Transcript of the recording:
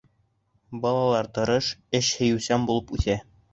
Балалары тырыш, эш һөйөүсән булып үҫә.